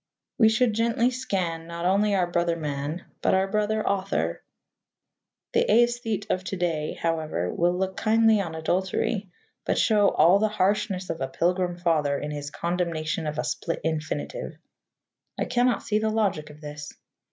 We should gently scan, not only our brother man, but our brother author. The æsthete of to day, however, will look kindly on adultery, but show all the harshness of a Pilgrim Father in his condemnation of a split infinitive. I cannot see the logic of this.